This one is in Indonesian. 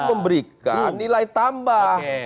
itu memberikan nilai tambah